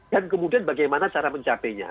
dan kemudian bagaimana cara mencapainya